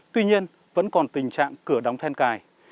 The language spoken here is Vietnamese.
tuy nhiên vẫn còn tình trạng cửa đóng then cài